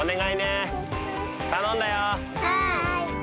はい。